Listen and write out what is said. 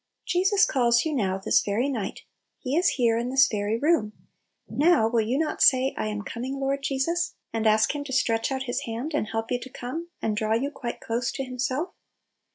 Jesus calls you now, this very night. He is here, in this very room. Now, will you not say, "lam coming, Lord .J^sus!" and ask Him to stretch out Little Pillows. n His hand and help you to come, and draw you quite close to Himself